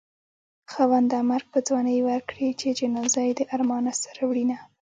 خاونده مرګ په ځوانۍ ورکړې چې جنازه يې د ارمانه سره وړينه